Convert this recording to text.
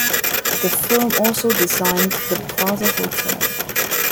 The firm also designed the Plaza Hotel.